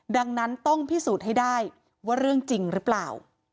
ดังนั้นต้องพิสูจน์ให้ได้ว่าเรื่องจริงหรือเปล่า